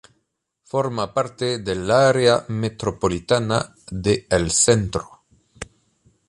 Forma parte del Área metropolitana de El Centro.